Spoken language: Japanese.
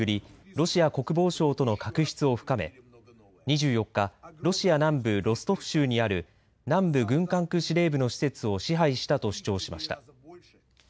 ロシア国防省との確執を深め２４日ロシア南部ロストフ州にある南部軍管区司令部の施設を支配したと主張しました。